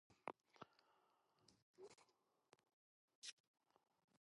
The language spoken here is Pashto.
دریابونه د افغانستان د طبیعي زیرمو برخه ده.